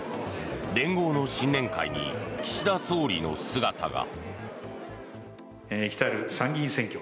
連合の新年会に岸田総理の姿が。